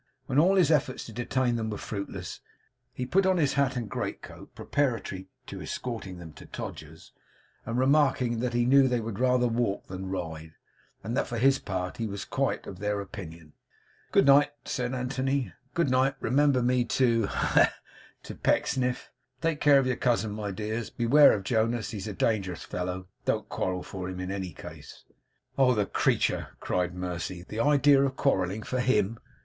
When all his efforts to detain them were fruitless, he put on his hat and greatcoat preparatory to escorting them to Todgers's; remarking that he knew they would rather walk thither than ride; and that for his part he was quite of their opinion. 'Good night,' said Anthony. 'Good night; remember me to ha, ha, ha! to Pecksniff. Take care of your cousin, my dears; beware of Jonas; he's a dangerous fellow. Don't quarrel for him, in any case!' 'Oh, the creature!' cried Mercy. 'The idea of quarrelling for HIM!